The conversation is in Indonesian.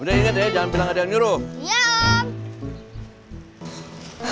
udah inget ya jangan bilang ada yang nyuruh